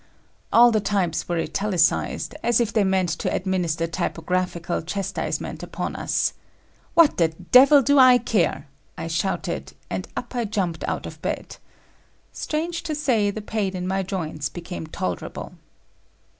All the types were italicized, as if they meant to administer typographical chastisement upon us. "What the devil do I care!" I shouted, and up I jumped out of bed. Strange to say, the pain in my joints became tolerable.